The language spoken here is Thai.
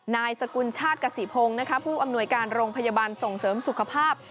นายสกุลชาติกษีพงศ์ผู้อำนวยการโรงพยาบาลส่งเสริมสุขภาพ